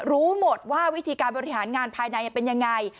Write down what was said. รู้หมดว่าวิธีการบริหารงานภายในเป็นยังไง